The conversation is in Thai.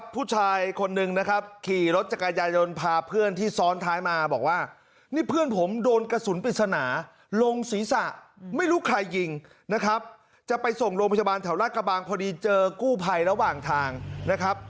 ผู้ชายคนหนึ่งนะครับขี่รถจักรยายนพาเพื่อนที่ซ้อนท้ายมาบอกว่านี่เพื่อนผมโดนกระสุนปริศนาลงศีรษะไม่รู้ใครยิงนะครับจะไปส่งโรงพยาบาลแถวราชกระบังพอดีเจอกู้ภัยระหว่างทางนะครับ